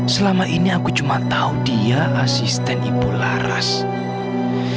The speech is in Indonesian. selama ini aku cuma tahu dia asisten ibu laras